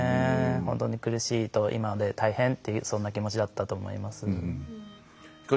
本当に苦しい、今まで大変ってそんな気持ちだったと思います。